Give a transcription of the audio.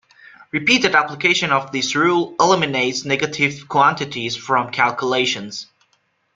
Repeated application of this rule eliminates negative quantities from calculations.